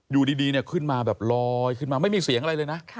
อยู่ดีขึ้นมาแบบลอยขึ้นมาไม่มีเสียงอะไรเลยนะ